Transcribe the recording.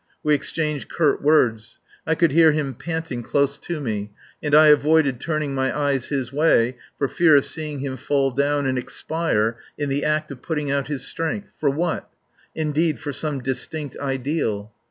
We exchanged curt words; I could hear him panting close to me and I avoided turning my eyes his way for fear of seeing him fall down and expire in the act of putting forth his strength for what? Indeed for some distinct ideal.